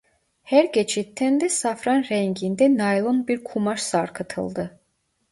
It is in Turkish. Her geçitten de safran renginde naylon bir kumaş sarkıtıldı.